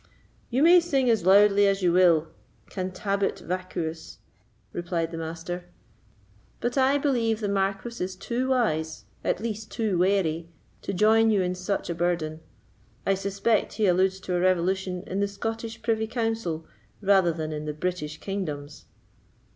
"You may sing as loudly as you will, cantabit vacuus,"—answered the Master; "but I believe the Marquis is too wise, at least too wary, to join you in such a burden. I suspect he alludes to a revolution in the Scottish privy council, rather than in the British kingdoms."